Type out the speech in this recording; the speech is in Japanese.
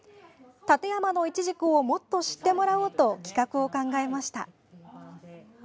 館山のいちじくをもっと知ってもらおうと企画を考えました。